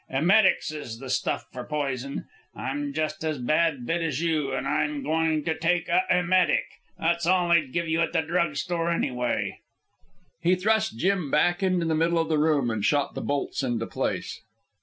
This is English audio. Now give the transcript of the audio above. Emetics is the stuff for poison. I'm just as bad bit as you, an' I'm goin' to take a emetic. That's all they'd give you at a drug store, anyway." He thrust Jim back into the middle of the room and shot the bolts into place.